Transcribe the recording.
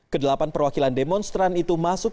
kedelapan perwakilan demonstran itu masuk